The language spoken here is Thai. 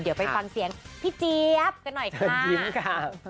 เดี๋ยวไปฟังเสียงพี่เจี๊ยบกันหน่อยค่ะ